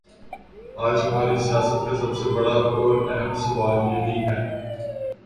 آج ہماری سیاست کا سب سے بڑا اور اہم سوال یہی ہے؟